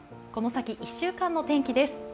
この先１週間の天気です。